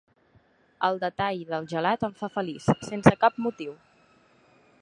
El detall del gelat em fa feliç, sense cap motiu.